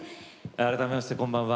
改めましてこんばんは。